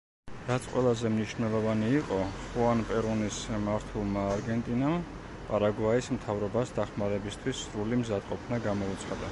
რაც ყველაზე მნიშვნელოვანი იყო, ხუან პერონის მართულმა არგენტინამ პარაგვაის მთავრობას დახმარებისთვის სრული მზადყოფნა გამოუცხადა.